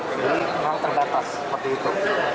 jadi memang terbatas seperti itu